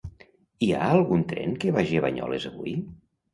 Hi ha algun tren que vagi a Banyoles avui?